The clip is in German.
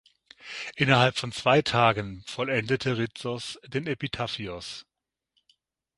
Innerhalb von zwei Tagen vollendete Ritsos den "Epitaphios".